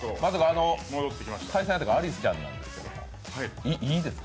対戦相手がアリスちゃんですがいいですか？